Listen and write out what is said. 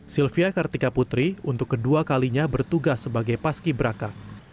sylvia kartika putri untuk kedua kalinya bertugas sebagai paski beraka